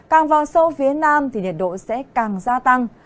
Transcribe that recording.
càng vào sâu phía nam thì nhiệt độ sẽ càng gia tăng